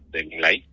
để mình lấy